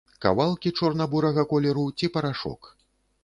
Кавалкі чорна-бурага колеру ці парашок.